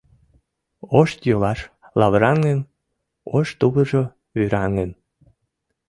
Ош йолаш лавыраҥын, ош тувыржо вӱраҥын.